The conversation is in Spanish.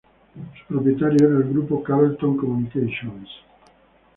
Su propietario era el grupo Carlton Communications.